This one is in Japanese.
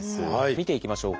見ていきましょう。